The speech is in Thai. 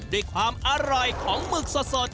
ด้วยความอร่อยของหมึกสด